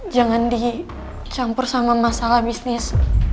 jangan dicampur sama masalah bisnis